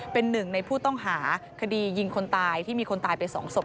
เป็นหนึ่งในผู้ต้องหาคดียิงคนตายที่มีคนตายไป๒ศพ